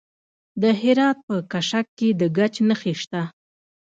د هرات په کشک کې د ګچ نښې شته.